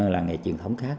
làng nghề truyền thống khác